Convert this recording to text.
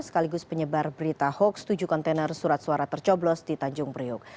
sekaligus penyebar berita hoax tujuh kontainer surat suara tercoblos di tanjung priok